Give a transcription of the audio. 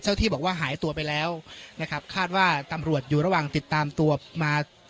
ที่บอกว่าหายตัวไปแล้วนะครับคาดว่าตำรวจอยู่ระหว่างติดตามตัวมา